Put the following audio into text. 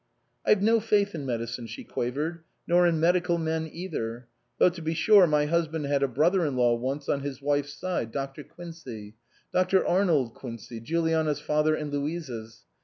"I've no faith in medicine," she quavered, " nor in medical men either. Though to be sure my husband had a brother in law once on his wife's side, Dr. Quincey, Dr. Arnold Quincey, Juliana's father and Louisa's.